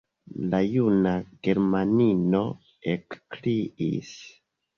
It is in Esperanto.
La juna germanino ekkriis: